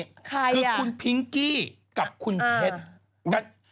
คือคุณพิงกี้คุณเท็ด